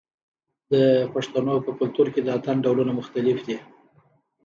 د پښتنو په کلتور کې د اتن ډولونه مختلف دي.